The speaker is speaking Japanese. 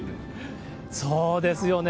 そうですよね。